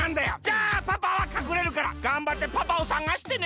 じゃあパパはかくれるからがんばってパパを探してね！